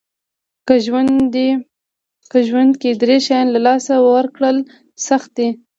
که ژوند کې درې شیان له لاسه ورکړل سخت دي.